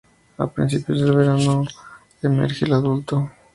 A principios del verano emerge el adulto.